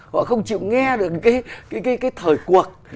họ không chịu nghe được cái thời cuộc